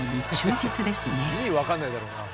意味分かんないだろうなあ。